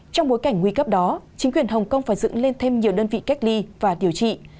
trong bối cảnh nguy cấp đó chính quyền hồng kông phải dựng lên thêm nhiều đơn vị cách ly và điều trị